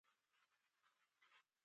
دریشي له وخت سره بدلېږي.